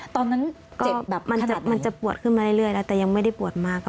ตอนนั้นเจ็บแบบมันจะปวดขึ้นมาเรื่อยแล้วแต่ยังไม่ได้ปวดมาก